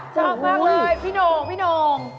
ชอบมากเลยพี่น้องพี่โน่ง